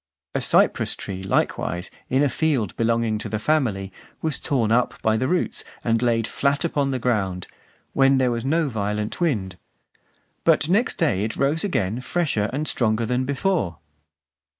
A cypress tree likewise, in a field belonging to the family, was torn up by the roots, and laid flat upon the ground, when there was no violent wind; but next day it rose again fresher and stronger than before.